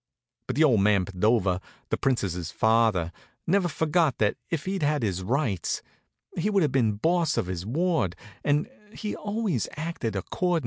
But the old man Padova, the Princess' father, never forgot that if he'd had his rights he would have been boss of his ward, and he always acted accordin'.